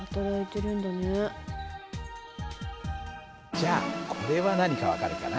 じゃあこれは何か分かるかな？